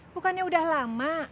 bukannya udah lama